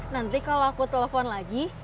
nanti kalau aku telepon lagi